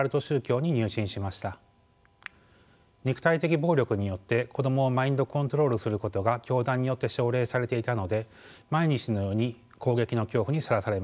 肉体的暴力によって子供をマインドコントロールすることが教団によって奨励されていたので毎日のように攻撃の恐怖にさらされました。